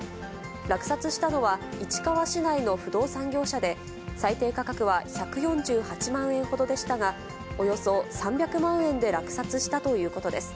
落札したのは、市川市内の不動産業者で、最低価格は１４８万円ほどでしたが、およそ３００万円で落札したということです。